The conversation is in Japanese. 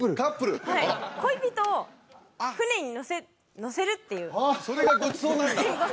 恋人を船に乗せるっていうそれがごちそうなんだ